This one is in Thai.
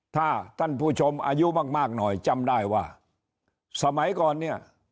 ถ้าท่านผู้ชมอายุมากหน่อยจำได้ว่าสมัยก่อนเนี่ย